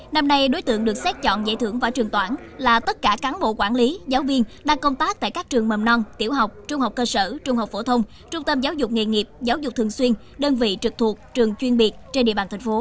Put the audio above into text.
năm nay đối tượng được xét chọn giải thưởng võ trường toản là tất cả cán bộ quản lý giáo viên đang công tác tại các trường mầm non tiểu học trung học cơ sở trung học phổ thông trung tâm giáo dục nghề nghiệp giáo dục thường xuyên đơn vị trực thuộc trường chuyên biệt trên địa bàn thành phố